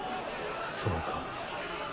そうか。